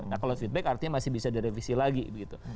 nah kalau feedback artinya masih bisa direvisi lagi begitu